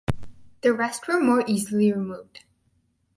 The rest were more easily removed.